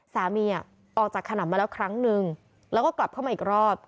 สามีออกจากขนำมาแล้วครั้งนึงแล้วก็กลับเข้ามาอีกรอบ